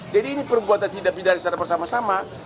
jadi ini perbuatan tidak berbeda secara bersama sama